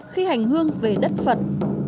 khi hành hương về đất phật